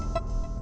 ini tuh ini tuh